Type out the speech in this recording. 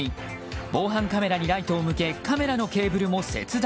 防犯カメラにライトを向けカメラのケーブルも切断。